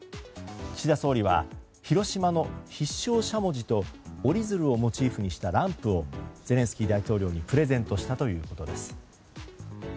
岸田総理は広島の必勝しゃもじと折り鶴をモチーフにしたランプをゼレンスキー大統領にプレゼントしたということです。